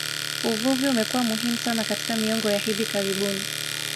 Uvuvi umekuwa muhimu sana katika miongo ya hivi karibuni